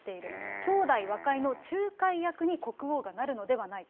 兄弟和解の仲介役に国王がなるのではないか。